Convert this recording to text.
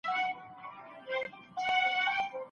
څه شی مستري په اوږه باندي ګڼ توکي راوړي؟